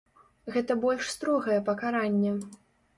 Гэта больш строгае пакаранне.